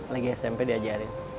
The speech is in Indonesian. lagi smp diajarin